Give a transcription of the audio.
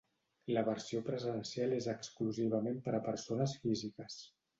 La versió presencial és exclusivament per a persones físiques.